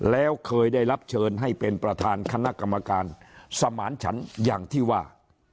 แล้วเคยได้รับเชิญให้เป็นประธานคณะกรรมการสมานฉันอย่างที่ว่า